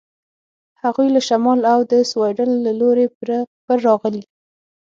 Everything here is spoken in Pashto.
هغوی له شمال او د سیوایډل له لوري پر راغلي.